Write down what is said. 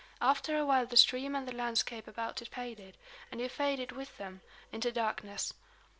After a while the stream and the landscape about it faded, and you faded with them, into darkness.